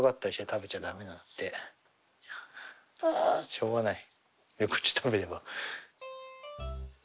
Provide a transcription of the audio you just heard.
しょうがない。